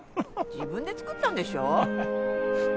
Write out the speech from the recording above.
自分で作ったんでしょ？ははっ。